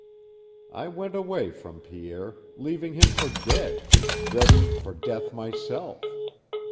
I went away from Pierre, leaving him for dead, ready for death myself.